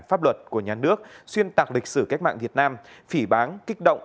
pháp luật của nhà nước xuyên tạc lịch sử cách mạng việt nam phỉ bán kích động